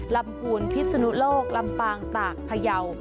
ลำพูนพิศนุโลกลำปางตากพยาว